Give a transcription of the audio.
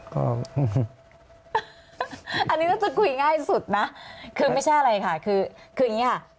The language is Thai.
ก็อันนี้น่าจะคุยง่ายสุดนะคือไม่ใช่อะไรค่ะคืออย่างนี้ค่ะ